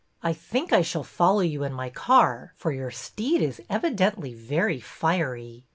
"I think I shall follow you in my car, for your steed is evidently very fiery."